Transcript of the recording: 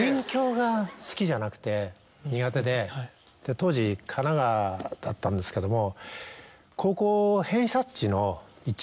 当時神奈川だったんですけども。